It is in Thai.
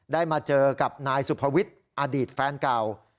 มาเจอกับนายสุภวิทย์อดีตแฟนเก่า